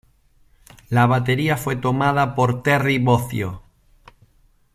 La batería fue tomada por Terry Bozzio.